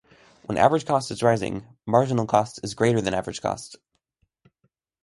When average cost is rising, marginal cost is greater than average cost.